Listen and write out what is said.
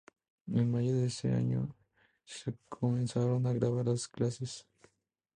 En mayo de ese año se comenzaron a grabar las clases.